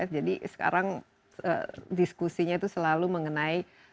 jadi sekarang diskusi ini